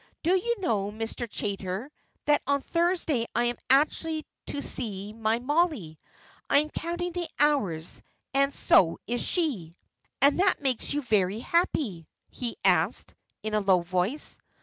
"Do you know, Mr. Chaytor, that on Thursday I am actually to see my Mollie. I am counting the hours, and so is she." "And that makes you very happy?" he asked, in a low voice.